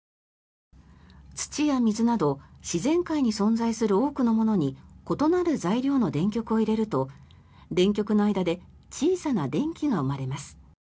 土や水など自然界に存在する多くのものに異なる材料の電極を入れると電極の間で小さな電気が生まれます。